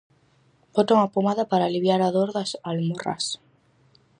Bota unha pomada para aliviar a dor das almorrás.